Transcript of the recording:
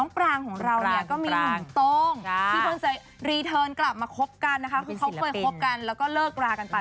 เพราะเขาเคยคบกันแล้วก็เลิกกลากันไป